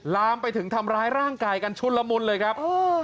ลามไปถึงทำร้ายร่างกายกันชุดละมุนเลยครับ